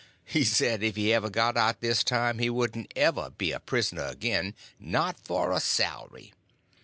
He said if he ever got out this time he wouldn't ever be a prisoner again, not for a salary.